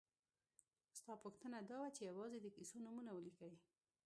ستا پوښتنه دا وه چې یوازې د کیسو نومونه ولیکئ.